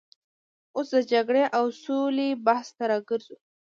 اوس د جګړې او سولې بحث ته راګرځو.